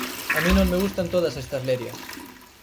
A min non me gustan todas estas lerias.